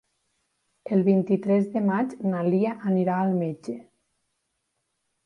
El vint-i-tres de maig na Lia anirà al metge.